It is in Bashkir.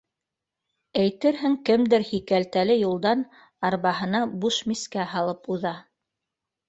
Әйтерһең, кемдер һи кәлтәле юлдан арбаһына буш мискә һалып уҙа